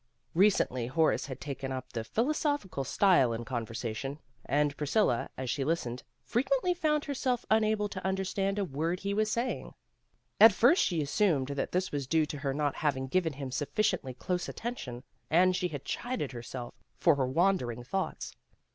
Recently Horace had taken up the phil osophical style in conversation, and Priscilla, as she listened, frequently found herself unable THE LONGEST WEEK ON RECORD 115 to understand a word he was saying. At first she assumed that this was due to her not hav ing given him sufficiently close attention, and she had chided herself for her wandering thoughts.